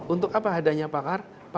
untuk apa adanya pakar